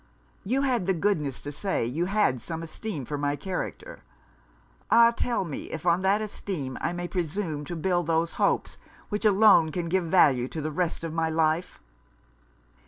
You had the goodness to say you had some esteem for my character Ah! tell me, if on that esteem I may presume to build those hopes which alone can give value to the rest of my life?'